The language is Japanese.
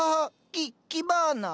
キキバーナ。